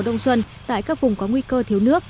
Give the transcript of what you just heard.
đông xuân tại các vùng có nguy cơ thiếu nước